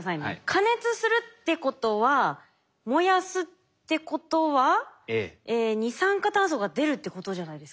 加熱するってことは燃やすってことは二酸化炭素が出るってことじゃないですか？